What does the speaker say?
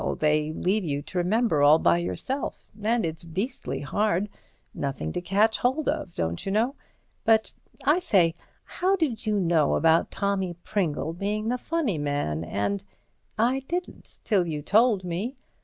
"No—they leave you to remember all by yourself. And it's beastly hard. Nothing to catch hold of, don't you know? But, I say—how did you know about Tommy Pringle being the funny man and—" "I didn't, till you told me."